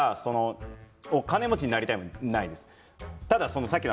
お金持ちになりたいのもないんです。